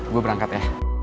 gue berangkat ya